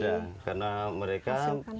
ada karena mereka